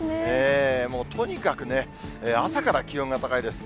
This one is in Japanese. とにかくね、朝から気温が高いです。